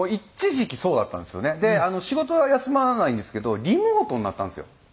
で仕事は休まないんですけどリモートになったんですよ